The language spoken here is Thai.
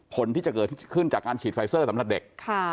ผลที่จะเกิดขึ้นจากการฉีดไฟเซอร์สำหรับเด็ก